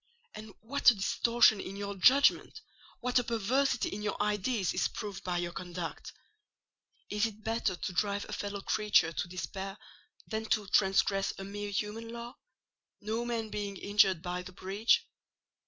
And what a distortion in your judgment, what a perversity in your ideas, is proved by your conduct! Is it better to drive a fellow creature to despair than to transgress a mere human law, no man being injured by the breach?